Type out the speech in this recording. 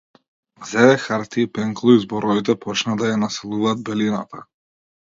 Зеде хартија и пенкало и зборовите почнаа да ја населуваат белината.